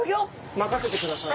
まかせてください。